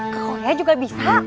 ke korea juga bisa